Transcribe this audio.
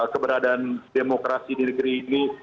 keberadaan demokrasi di negeri ini